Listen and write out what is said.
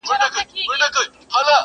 ډېر مي د اورنګ او خوشحال خان؛